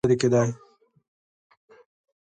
له توره او توپکه دغه ننګونې نه شي لرې کېدای.